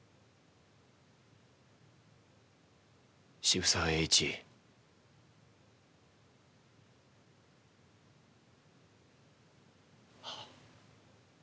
渋沢栄一。ははっ。